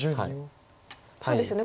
そうですよね